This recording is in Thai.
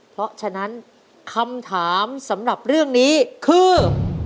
เพราะฉะนั้นคำถามสำหรับเรื่องนี้คือ